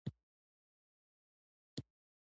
د جملې کلیمې باید داسي تنظیم سي، چي جمله مانا ولري.